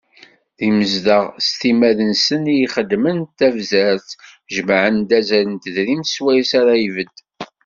D imezdaɣ s timmad-nsen i ixeddmen tabzert, jemmɛen-d azal n tedrimt swayes ara ibedd.